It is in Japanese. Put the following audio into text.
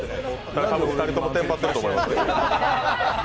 ２人ともテンパってると思います。